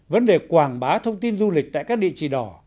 vấn đề quảng bá thông tin du lịch tại các địa chỉ đỏ